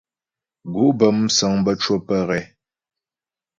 Gǔ' bə́ músəŋ bə́ cwə́ pə́ ghɛ.